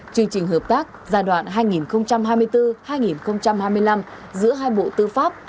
chương trình hợp tác giai đoạn hai nghìn hai mươi bốn hai nghìn hai mươi năm giữa hai bộ tư pháp